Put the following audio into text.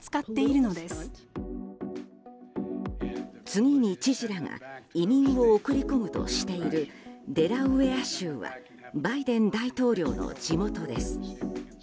次に知事らが移民を送り込むとしているデラウェア州はバイデン大統領の地元です。